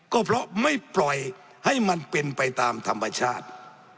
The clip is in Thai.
ก็เพราะไม่ปล่อยให้มันเป็นไปตามธรรมชาติ